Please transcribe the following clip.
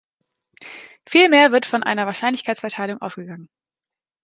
Vielmehr wird von einer Wahrscheinlichkeitsverteilung ausgegangen.